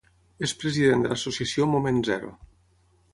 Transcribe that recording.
És president de l'associació Moment Zero.